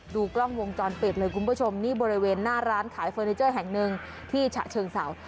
ดูกล้องวงจรปิดเลยคุณผู้ชมนี่บริเวณหน้าร้านขายเฟอร์นิเจอร์แห่งหนึ่งที่ฉะเชิงเศร้า